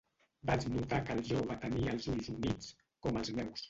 Vaig notar que el jove tenia els ulls humits, com els meus.